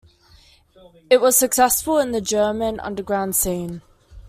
It was successful in the German underground scene.